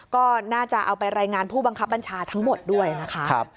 ก็น่าจะเอาไปรายงานผู้บังคับบัญชาทั้งหมดด้วยนะคะ